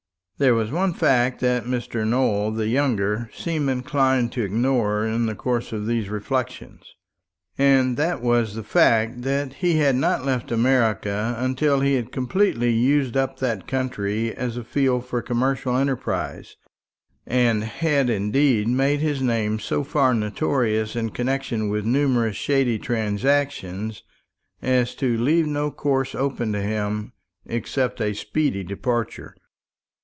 There was one fact that Mr. Nowell the younger seemed inclined to ignore in the course of these reflections; and that was the fact that he had not left America until he had completely used up that country as a field for commercial enterprise, and had indeed made his name so far notorious in connection with numerous shady transactions as to leave no course open to him except a speedy departure.